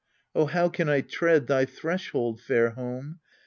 Oh, how can I tread Thy threshold, fair home?